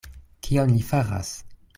Kion li faras?